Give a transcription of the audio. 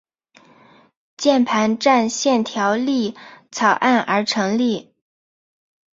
键盘战线条例草案而成立。